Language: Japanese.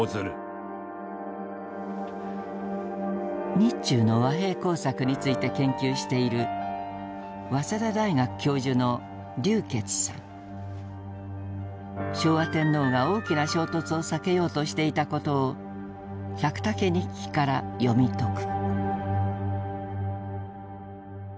日中の和平工作について研究している昭和天皇が大きな衝突を避けようとしていたことを「百武日記」から読み解く。